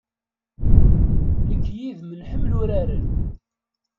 Nekk yid-m nḥemmel uraren.